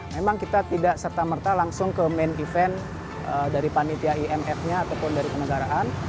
memang kita tidak serta merta langsung ke main event dari panitia imf nya ataupun dari kenegaraan